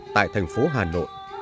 tại thành phố hà nội